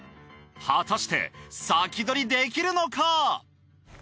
果たして先取りできるのか？